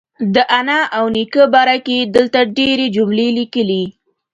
د انا او نیکه باره کې یې دلته ډېرې جملې لیکلي.